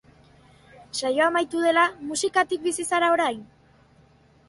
Saioa amaitu dela, musikatik bizi zara orain?